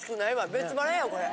別腹やこれ！